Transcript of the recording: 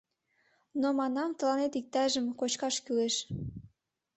Но, манам, тыланет иктажым кочкаш кӱлеш.